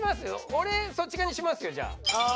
俺そっち側にしますよじゃあ。